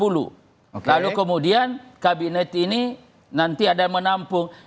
lalu kemudian kabinet ini nanti ada menampung